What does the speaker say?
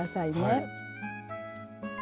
はい。